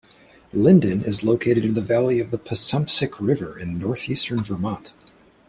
Lyndon is located in the valley of the Passumpsic River in northeastern Vermont.